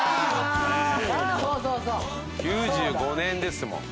９５年ですもん。